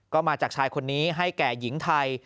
ก็มาจากชายคนนี้ให้แก่หญิงไทย